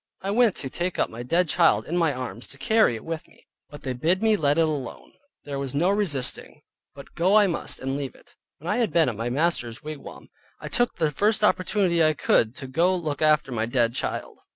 I went to take up my dead child in my arms to carry it with me, but they bid me let it alone; there was no resisting, but go I must and leave it. When I had been at my master's wigwam, I took the first opportunity I could get to go look after my dead child.